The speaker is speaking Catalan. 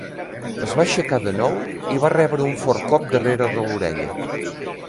Es va aixecar de nou i va rebre un fort cop darrere de l'orella.